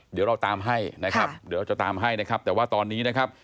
เดี๋ยวเราตามให้แต่ว่าตอนนี้นะครับ